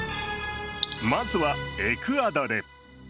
まずは、エクアドル。